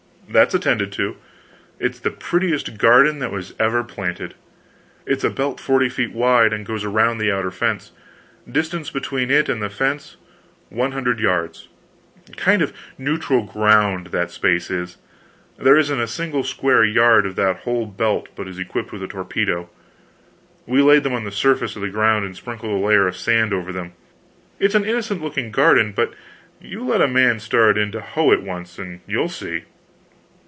"That's attended to. It's the prettiest garden that was ever planted. It's a belt forty feet wide, and goes around the outer fence distance between it and the fence one hundred yards kind of neutral ground that space is. There isn't a single square yard of that whole belt but is equipped with a torpedo. We laid them on the surface of the ground, and sprinkled a layer of sand over them. It's an innocent looking garden, but you let a man start in to hoe it once, and you'll see."